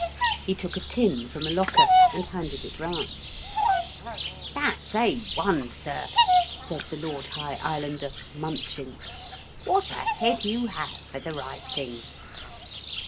He took a tin from a locker and handed it round. 'That's A1, sir,' said the Lord High Islander, munching. 'What a head you have for the right thing.'